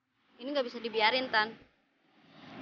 dia udah gak ngehargain lo gak ngehargain kita dan bisa jadi